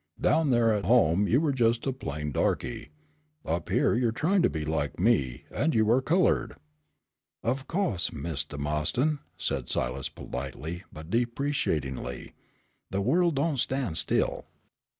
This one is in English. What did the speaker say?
Down there at home you were just a plain darky. Up here you are trying to be like me, and you are colored." "Of co'se, Mistah Ma'ston," said Silas politely, but deprecatingly, "the worl' don't stan' still."